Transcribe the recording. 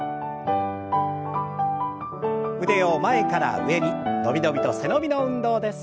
腕を前から上に伸び伸びと背伸びの運動です。